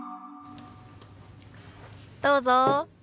どうぞ。